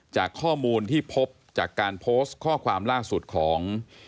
จากข้อมูลที่พบจากการโพสต์ข้อความล่าสุดของ